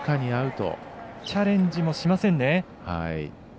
チャレンジもしませんね。